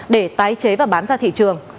để tái chế và bán ra thị trường